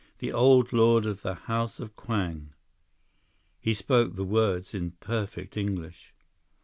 The Old Lord of the House of Kwang." He spoke the words in perfect English.